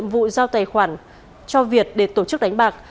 vụ giao tài khoản cho việt để tổ chức đánh bạc